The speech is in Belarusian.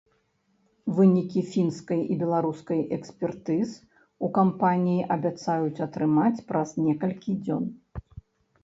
Вынікі фінскай і беларускай экспертыз у кампаніі абяцаюць атрымаць праз некалькі дзён.